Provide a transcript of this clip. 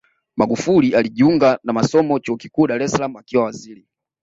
magufuli alijiunga na masomo chuo kikuu dar es salaam akiwa waziri